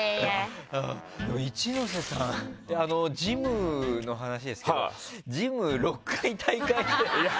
一ノ瀬さん、ジムの話ですけど６回退会してる。